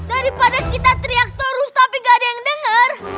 daripada kita teriak terus tapi gak ada yang denger